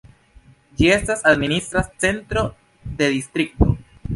Ĝi estas administra centro de distrikto.